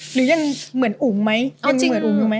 หรือยังเหมือนอุ๋งไหม